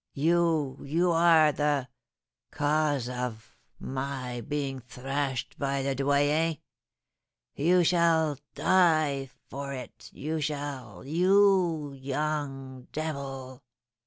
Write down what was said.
you you are the cause of my being thrashed by Le Doyen! you shall die for it you shall you young devil!'